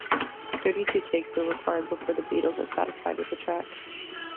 Thirty-two takes were required before the Beatles were satisfied with the track.